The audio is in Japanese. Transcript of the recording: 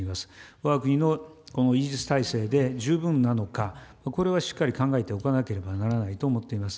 わが国のこのイージス態勢で十分なのか、これはしっかり考えておかなければならないと思っています。